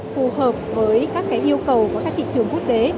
phù hợp với các yêu cầu của các thị trường quốc tế